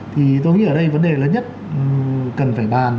thì tôi nghĩ ở đây vấn đề lớn nhất cần phải bàn